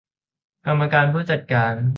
กรรมการผู้จัดการ